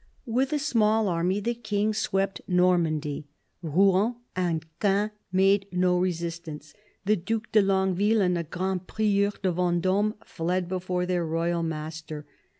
With a small army the King swept Normandy. Rouen and Caen made no resistance ; the Due de Longueville and the Grand Prieur de VendQme fled before their royal master.